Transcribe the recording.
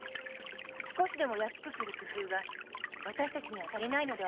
少しでも安くする工夫が私たちに足りないのではありませんか？